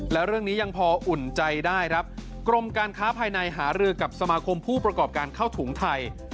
แล้วเรื่องนี้ยังพออุ่นใจได้ครับกรมการค้าภายในหารือกับสมาคมผู้ประกอบการเข้าถุงไทย